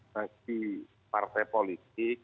jadi partai politik